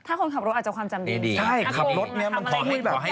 ถ้าคนขับรถก็ความจำดี